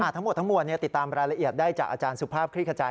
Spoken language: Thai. ทั้งหมดทั้งมวลติดตามรายละเอียดได้จากอาจารย์สุภาพคลิกขจาย